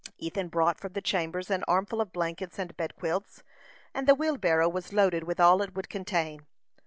Ethan brought from the chambers an armful of blankets and bed quilts, and the wheelbarrow was loaded with all it would contain.